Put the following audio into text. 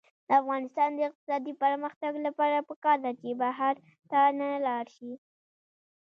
د افغانستان د اقتصادي پرمختګ لپاره پکار ده چې بهر ته نلاړ شو.